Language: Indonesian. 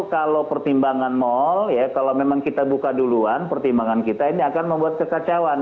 kalau pertimbangan mal ya kalau memang kita buka duluan pertimbangan kita ini akan membuat kekacauan